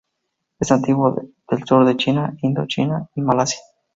Es nativo del sur de China, Indochina y Malasia.